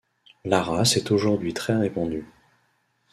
La race est aujourd’hui très répandue.